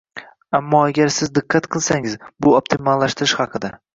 Ammo agar siz diqqat qilsangiz, bu optimallashtirish haqida